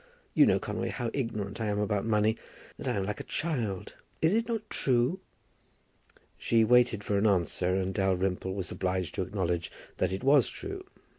You know, Conway, how ignorant I am about money; that I am like a child. Is it not true?" She waited for an answer and Dalrymple was obliged to acknowledge that it was true.